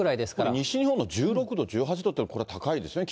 西日本の１６度、１８度っていうのは、これは高いですね、き